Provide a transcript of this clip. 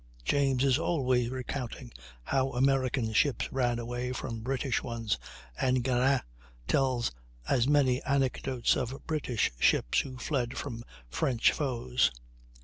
James is always recounting how American ships ran away from British ones, and Guérin tells as many anecdotes of British ships who fled from French foes.